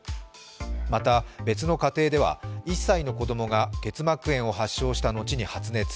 また、別の家庭では、１歳の子供が結膜炎を発症した後に発熱。